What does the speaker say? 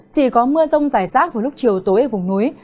chỉ có mưa rông rải rác vào lúc chiều tối ở vùng núi